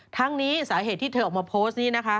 ทั้งนี้สาเหตุที่เธอออกมาโพสต์นี้นะคะ